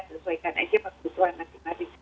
sesuaikan aja kebutuhan nasi nanti